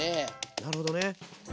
なるほどね。